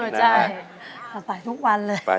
มาไปทุกวันเลย